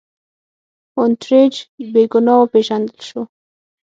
هونټریج بې ګناه وپېژندل شو.